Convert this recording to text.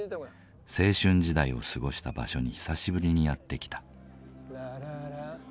青春時代を過ごした場所に久しぶりにやって来た。